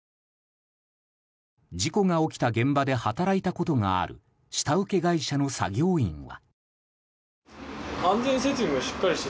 事故が起きた現場で働いたことがある下請け会社の作業員は。